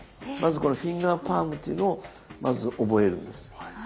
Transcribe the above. まずこのフィンガーパームというのを覚えるんです。